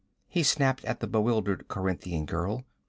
he snapped at the bewildered Corinthian girl.